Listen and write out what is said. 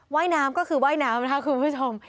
ว่ายน้ำก็คือว่ายน้ำนะคะคุณผู้ชม